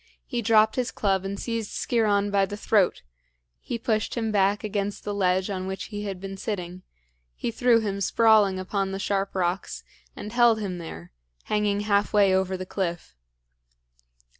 He dropped his club and seized Sciron by the throat; he pushed him back against the ledge on which he had been sitting; he threw him sprawling upon the sharp rocks, and held him there, hanging half way over the cliff.